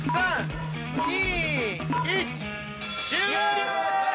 終了！